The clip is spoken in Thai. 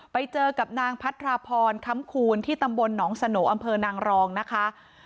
ไปเจอกับนางพัทราพรคำคูณที่ตำบลหนองสโนอำเภอนางรองนะคะ